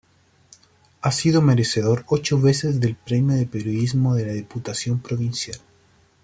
Ha sido merecedor ocho veces del premio de Periodismo de la Diputación Provincial.